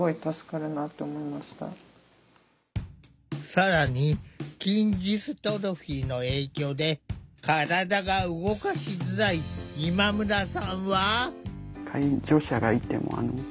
更に筋ジストロフィーの影響で体が動かしづらい今村さんは。